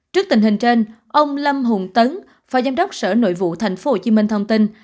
trước tình hình trên ông lâm hùng tấn phó giám đốc sở nội vụ tp hcm thông tin